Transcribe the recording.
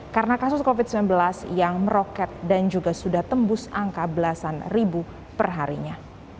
karena kasus covid sembilan belas yang meroket dan juga sudah tembus angka belasan ribu perharinya